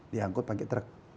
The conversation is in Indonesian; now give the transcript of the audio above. diangkut pakai truk